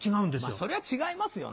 まぁそれは違いますよね。